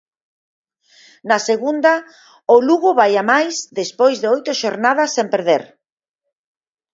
Na segunda, o Lugo vai a máis despois de oito xornadas sen perder.